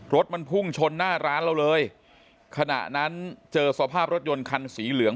รถมันพุ่งชนหน้าร้านเราเลยขณะนั้นเจอสภาพรถยนต์คันสีเหลือง